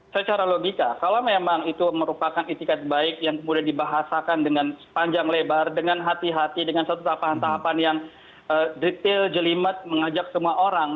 secara logika kalau memang itu merupakan itikat baik yang kemudian dibahasakan dengan panjang lebar dengan hati hati dengan satu tahapan tahapan yang detail jelimet mengajak semua orang